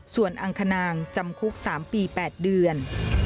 ส่วนอังคณางจำคุก๓ปี๘เดือน